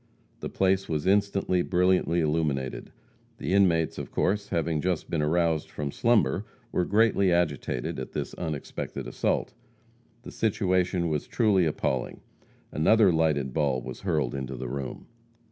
The place was instantly brilliantly illuminated. The inmates of course, having just been aroused from slumber, were greatly agitated at this unexpected assault. The situation was truly appalling. Another lighted ball was hurled into the room.